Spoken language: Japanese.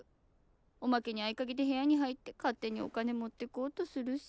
おまけに合鍵で部屋に入って勝手にお金持ってこうとするし。